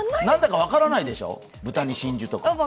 何だか分からないでしょう、豚に真珠とか。